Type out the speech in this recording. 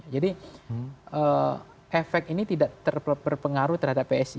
jadi efek ini tidak berpengaruh terhadap psi